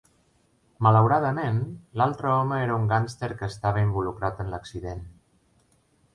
Malauradament, l'altre home era un gàngster que estava involucrat en l'accident.